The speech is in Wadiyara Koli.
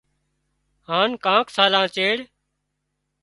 هانَ ڪانڪ سالان چيڙ